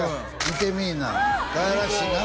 見てみいな